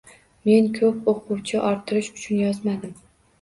Men ko’p o’quvchi orttirish uchun yozmadim.